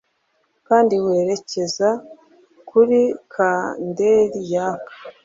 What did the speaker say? Kandi werekeza kuri kanderi yaka